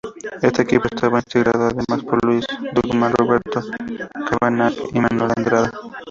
Este equipo estaba integrado además por Luis Duggan, Roberto Cavanagh y Manuel Andrada.